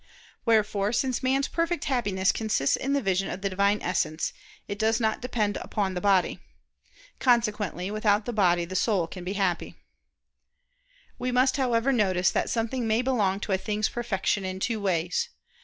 Wherefore, since man's perfect Happiness consists in the vision of the Divine Essence, it does not depend on the body. Consequently, without the body the soul can be happy. We must, however, notice that something may belong to a thing's perfection in two ways.